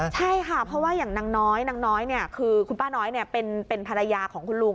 ใช่ค่ะเพราะว่าอย่างนางน้อยนางน้อยคือคุณป้าน้อยเป็นภรรยาของคุณลุง